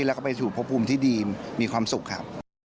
แล้วก็ไปสู่พบภูมิที่ดีมีความสุขครับ